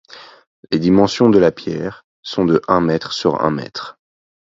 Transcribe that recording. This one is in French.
Les dimensions de la pierre sont de un mètre sur un mètre.